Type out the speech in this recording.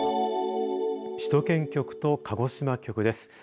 首都圏局と鹿児島局です。